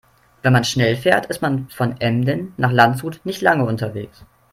Wenn man schnell fährt, ist man von Emden nach Landshut nicht lange unterwegs